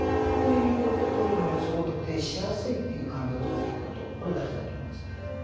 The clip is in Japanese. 本人にとってトイレの場所を特定しやすいっていう環境を作っていく事これ大事だと思うんです。